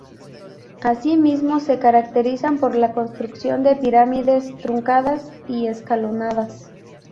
Así mismo se caracterizan por la construcción de pirámides truncadas y escalonadas.